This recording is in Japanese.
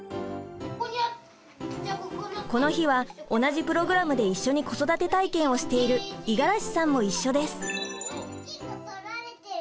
この日は同じプログラムで一緒に子育て体験をしている五十嵐さんも一緒です。